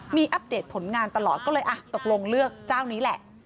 มีอัปเดตผลงานตลอดก็เลยตกลงเลือกเจ้านี้แหละ